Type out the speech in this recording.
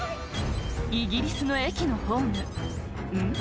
イギリスの駅のホームうん？